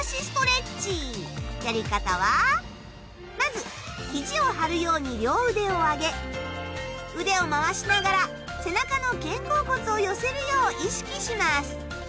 やり方はまず肘を張るように両腕を上げ腕を回しながら背中の肩甲骨を寄せるよう意識します。